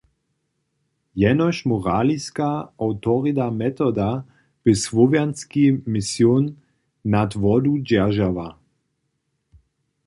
Jenož moraliska awtorita Metoda bě słowjanski mision nad wodu dźeržała.